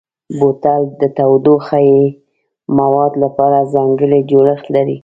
بوتل د تودوخهيي موادو لپاره ځانګړی جوړښت لري.